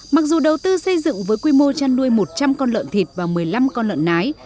mặc dù đầu tư xây dựng với quy mô chăn nuôi một trăm linh con lợn thịt và một mươi năm con lợn nái